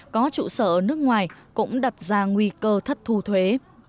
có trụ sở ở nước ngoài cũng đặt ra nguy cơ thất thu thuế